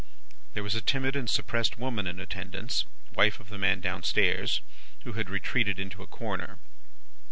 There was a timid and suppressed woman in attendance (wife of the man down stairs), who had retreated into a corner.